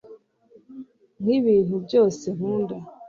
nkibintu byose nkunda